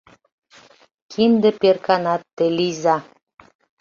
Кинде перканат те лийза!